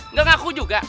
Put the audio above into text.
nggak ngaku juga